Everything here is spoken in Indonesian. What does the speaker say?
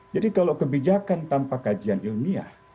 jadi kalau kebijakan tanpa kajian ilmiah